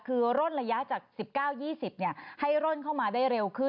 คือร่นระยะจาก๑๙๒๐ให้ร่นเข้ามาได้เร็วขึ้น